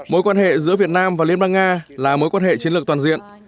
mối quan hệ giữa việt nam và liên bang nga là mối quan hệ chiến lược toàn diện